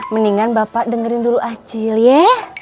mendingan bapak dengerin dulu acil ya